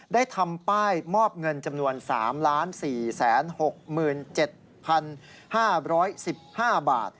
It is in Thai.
ได้ทำป้ายมอบเงินจำนวน๓๔๖๗๕๑๕บาท